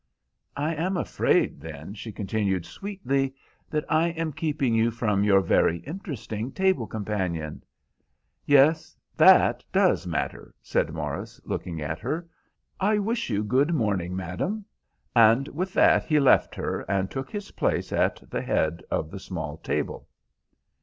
"I am afraid, then," she continued sweetly, "that I am keeping you from your very interesting table companion." "Yes, that does matter," said Morris, looking at her. "I wish you good morning, madam." And with that he left her and took his place at the head of the small table.